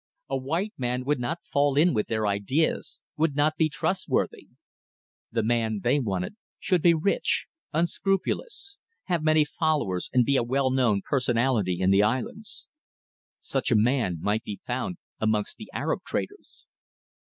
A white man would not fall in with their ideas would not be trustworthy. The man they wanted should be rich, unscrupulous, have many followers, and be a well known personality in the islands. Such a man might be found amongst the Arab traders.